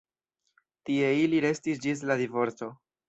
Tie ili restis ĝis la divorco.